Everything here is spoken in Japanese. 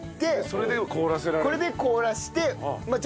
これで凍らせて。